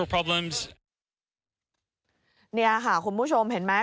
เนี่ยค่ะผมรู้ชมเห็นมั้ย